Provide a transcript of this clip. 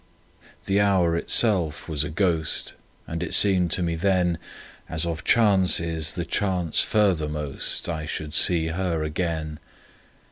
The hour itself was a ghost, And it seemed to me then As of chances the chance furthermost I should see her again.